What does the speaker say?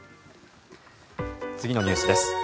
次のニュースです。